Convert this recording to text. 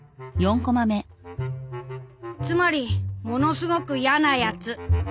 「つまりものすごく『ヤなやつ』！」。